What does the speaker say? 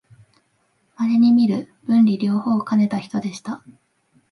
まれにみる文理両方をかねた人でした